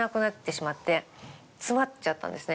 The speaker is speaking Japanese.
詰まっちゃったんですね。